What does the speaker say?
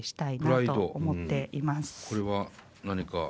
これは何か？